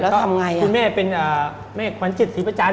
แล้วทำไงคุณแม่เป็นแม่ขวัญจิตศรีประจันท